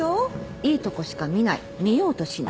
いいとこしか見ない見ようとしない。